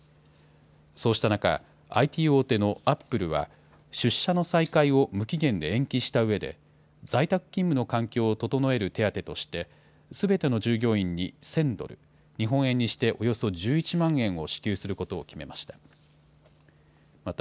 そうした中、ＩＴ大手のアップルは、出社の再開を無期限で延期したうえで、在宅勤務の環境を整える手当として、すべての従業員に１０００ドル、日本円にしておよそ１１万円を支給することを決めました。